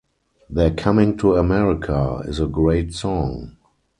“They’re coming to America” is a great song.